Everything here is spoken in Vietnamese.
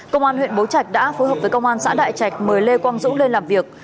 công an huyện bố trạch đã phối hợp với công an xã đại trạch mời lê quang dũng lên làm việc